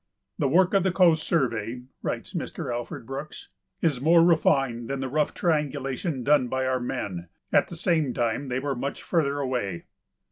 "The work of the Coast Survey," writes Mr. Alfred Brooks, "is more refined than the rough triangulation done by our men; at the same time they were much further away."